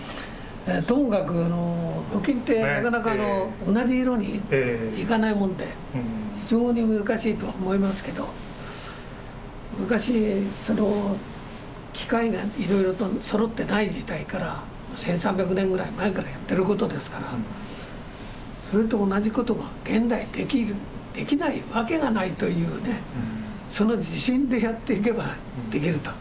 ともかく鍍金ってなかなか同じ色にいかないもんで非常に難しいと思いますけど昔機械がいろいろとそろってない時代から１，３００年ぐらい前からやってることですからそれと同じことが現代できないわけがないというねその自信でやっていけばできると。